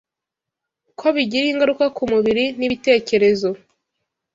ko bigira ingaruka ku mubiri n’ibitekerezo